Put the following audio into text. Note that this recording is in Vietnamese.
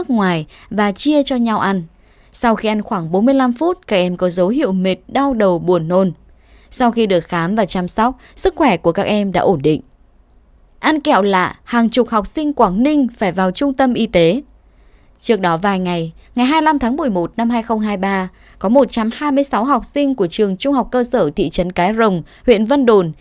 ngày hai mươi năm tháng một mươi một năm hai nghìn hai mươi ba có một trăm hai mươi sáu học sinh của trường trung học cơ sở thị trấn cái rồng huyện vân đồn